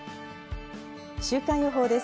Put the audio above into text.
週間予報です。